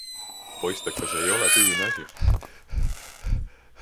Poistekas ei ole tühine asi!